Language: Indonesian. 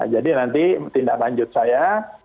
jadi nanti tindak lanjut saya